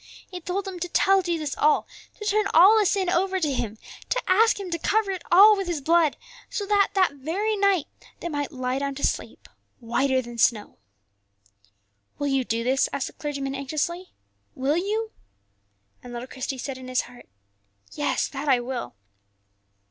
He told them to tell Jesus all, to turn all the sin over to Him, to ask Him to cover it all with His blood, so that that very night they might lie down to sleep whiter than snow. "Will you do this?" asked the clergyman, anxiously; "will you?" And little Christie said in his heart, "Yes, that I will."